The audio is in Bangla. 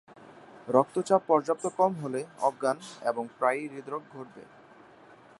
রক্তচাপ পর্যাপ্ত কম হলে অজ্ঞান এবং প্রায়ই হৃদরোগ ঘটবে।